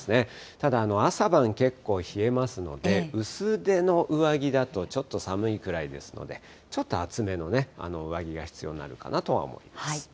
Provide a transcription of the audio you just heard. ただ、朝晩結構、冷えますので、薄手の上着だとちょっと寒いくらいですので、ちょっと厚めの上着が必要になるかなとは思います。